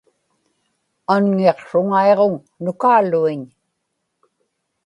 anŋiqsruŋaiġuŋ nukaaluiñ